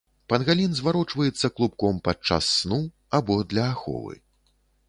Пангалін зварочваецца клубком падчас сну або для аховы.